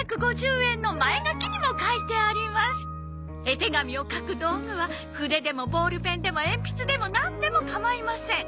絵手紙を描く道具は筆でもボールペンでも鉛筆でもなんでも構いません。